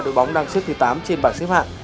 đội bóng đang xếp thứ tám trên bảng xếp hạng